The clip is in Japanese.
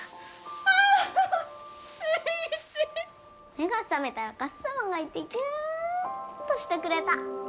目が覚めたらかっさまがいてぎゅっとしてくれた。